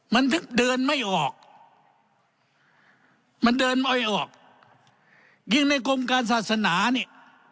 มันเดินไม่ออกมันเดินไม่ออกยิ่งในกรมการศาสนานี่